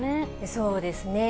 そうですね。